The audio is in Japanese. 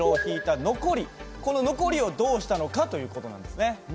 この残りをどうしたのかという事なんですね。